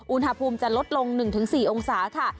อุณหภูมิจะลดลง๑๔องศาค่ะ